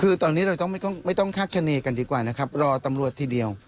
คือตอนนี้เราไม่ต้องฆ่ะแคนลีกันดีกว่ารอตำรวจทีเดียว